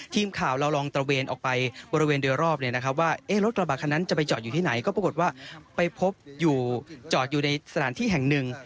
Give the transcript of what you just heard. ทีมข่าวเราลองตระเวนออกไปบริเวณโดยรอบเลยนะครับว่ารถกระบะคันนั้นจะไปจอดอยู่ที่ไหนก็ปรากฏว่าไปพบอยู่จอดอยู่ในสถานที่แห่งหนึ่ง